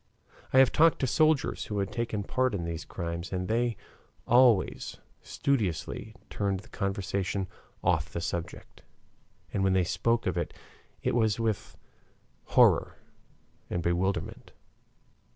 I have talked to soldiers who had taken part in these crimes, and they always studiously turned the conversation off the subject, and when they spoke of it it was with horror and bewilderment.